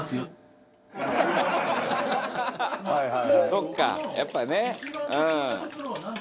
そっかやっぱりねうん」